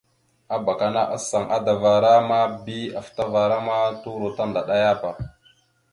Abak ana asaŋ adavara ma bi afətavara ma turo tandaɗayaba.